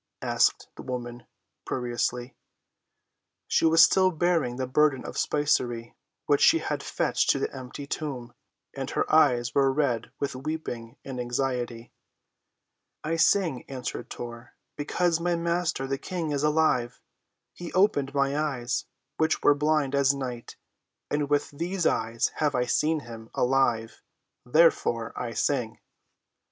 asked the woman querulously. She was still bearing the burden of spicery which she had fetched to the empty tomb, and her eyes were red with weeping and anxiety. "I sing," answered Tor, "because my Master, the King, is alive. He opened my eyes, which were blind as night, and with these eyes have I seen him—alive! Therefore, I sing."